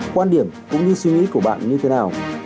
quan điểm cũng như suy nghĩ của bạn như thế nào